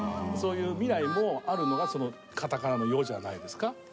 そういう未来もあるのがそのカタカナの「ョ」じゃないですか？